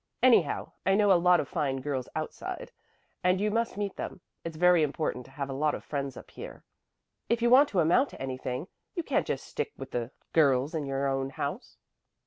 "Anyhow I know a lot of fine girls outside, and you must meet them. It's very important to have a lot of friends up here. If you want to amount to anything, you can't just stick with the girls in your own house."